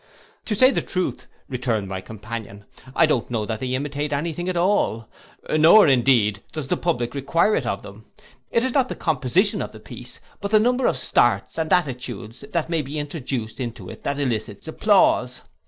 '—'To say the truth,' returned my companion, 'I don't know that they imitate any thing at all; nor, indeed does the public require it of them: it is not the composition of the piece, but the number of starts and attitudes that may be introduced into it that elicits applause.